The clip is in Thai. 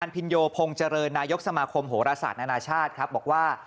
ห้างผิดโยโพงเจริญนายกสมคมโหระสาทนาชาติครับบอกว่า